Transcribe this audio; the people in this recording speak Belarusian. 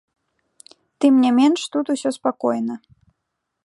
Тым не менш, тут усё спакойна.